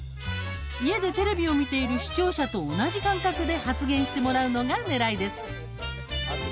家でテレビを見ている視聴者と同じ感覚で発言してもらうのがねらいです。